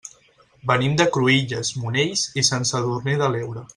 Venim de Cruïlles, Monells i Sant Sadurní de l'Heura.